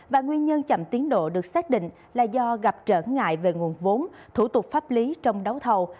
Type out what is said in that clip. và nguyên nhân chậm tiến độ được xác định là do gặp trở ngại về nguồn vốn thủ tục pháp lý trong đấu thầu